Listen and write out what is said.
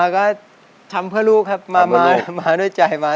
คุณกำลังใจให้